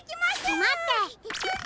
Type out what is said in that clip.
まって！